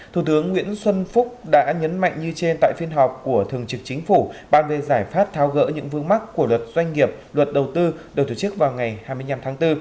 thủ tướng nguyễn xuân phúc đã nhấn mạnh như trên tại phiên họp của thường trực chính phủ bàn về giải pháp thao gỡ những vương mắc của luật doanh nghiệp luật đầu tư được tổ chức vào ngày hai mươi năm tháng bốn